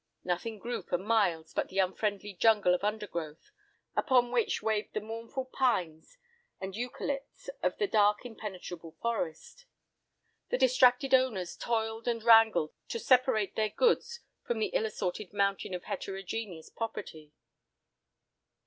Nothing grew for miles but the unfriendly jungle of undergrowth, above which waved the mournful pines and eucalypts of the dark impenetrable forest. The distracted owners toiled and wrangled to separate their goods from the ill assorted mountain of heterogeneous property.